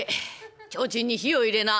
提灯に火を入れな」。